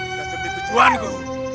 dan tempat tujuanku